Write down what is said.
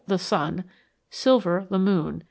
. The Sun .. Silver .. The Moon .